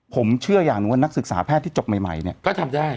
ผมเชื่ออย่างหนึ่งว่านักศึกษาแพทย์ที่จบใหม่เนี่ยก็ทำได้